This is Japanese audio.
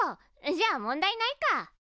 じゃあ問題ないか。